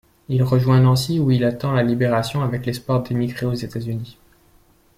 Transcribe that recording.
Il rejoint Nancy, où il attend la Libération avec l'espoir d'émigrer aux États-Unis.